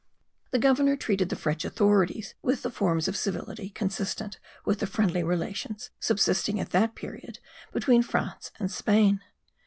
The governor treated the French authorities with the forms of civility consistent with the friendly relations subsisting at that period between France and Spain.